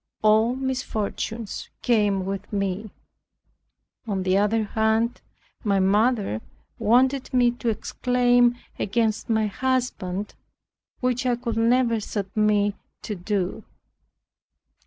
All misfortunes came with me." On the other hand my mother wanted me to exclaim against my husband which I could never submit to do.